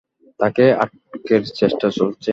তাঁকে আটকের চেষ্টা চলছে।